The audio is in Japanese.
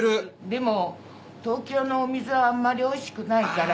でも東京のお水はあんまりおいしくないからって。